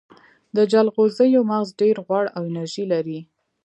د جلغوزیو مغز ډیر غوړ او انرژي لري.